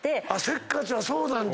せっかちはそうなんだ。